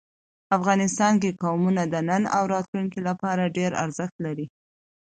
افغانستان کې قومونه د نن او راتلونکي لپاره ډېر ارزښت لري.